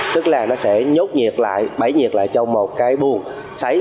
tức là nó sẽ nhốt nhiệt lại bẫy nhiệt lại trong một cái buồng sấy